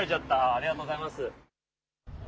ありがとうございます。